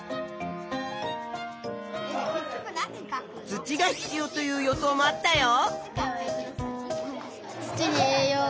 土が必要という予想もあったよ。